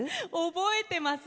覚えています。